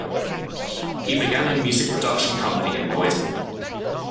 He began a music production company in Noida.